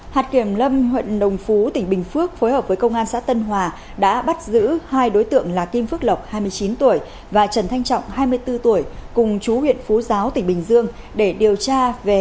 hạt kiểm lâm huyện đồng phú tỉnh bình phước phối hợp với công an xã tân hòa đã bắt giữ hai đối tượng là kim phước lộc hai mươi chín tuổi và trần thanh trọng hai mươi bốn tuổi cùng chú huyện phú giáo tỉnh bình dương để điều tra về tội